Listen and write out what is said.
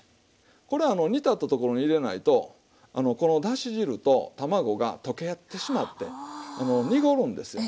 これあの煮立ったところに入れないとこのだし汁と卵が溶け合ってしまって濁るんですよ。